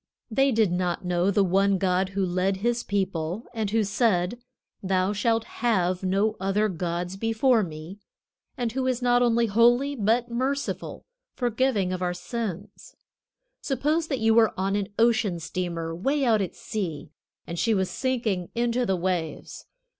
They did not know the one God who led His people, and who said, "Thou shalt have no other gods before me," and who is not only holy, but merciful, forgiving our sins. Suppose that you were on an ocean steamer way out at sea, and she was sinking into the waves.